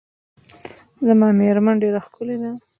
زما میرمن ډیره ښکلې ده .